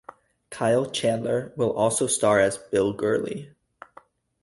Kyle Chandler will also star as Bill Gurley.